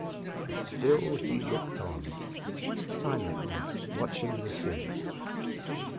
But still he looked on, silently watching the sea.